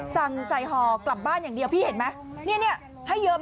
สั่งใส่ห่อกลับบ้านอย่างเดียวพี่เห็นไหม